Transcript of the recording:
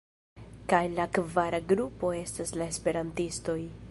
Kaj la kvara grupo estas la esperantistoj.